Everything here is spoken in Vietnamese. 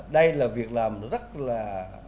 đây là việc làm rất là